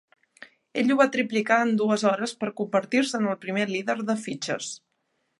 Ell ho va triplicar en dues hores per a convertir-se en el primer líder de fitxes.